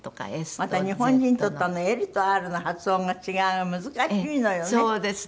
また日本人にとって「Ｌ」と「Ｒ」の発音の違いが難しいのよね。